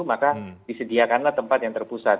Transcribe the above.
maka disediakanlah tempat yang terpusat